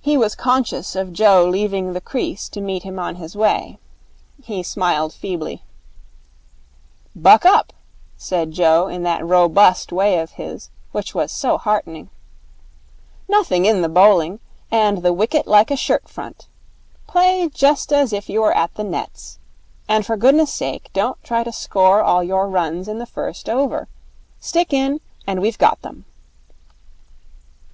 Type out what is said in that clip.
He was conscious of Joe leaving the crease to meet him on his way. He smiled feebly. 'Buck up,' said Joe in that robust way of his which was so heartening. 'Nothing in the bowling, and the wicket like a shirt front. Play just as if you were at the nets. And for goodness' sake don't try to score all your runs in the first over. Stick in, and we've got them.'